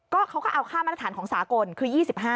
เขาก็เอาค่ามาตรฐานของสากลคือ๒๕